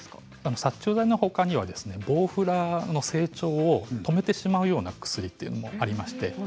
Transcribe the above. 殺虫剤のほかにはボウフラの成長を止めてしまうような薬というのもあります。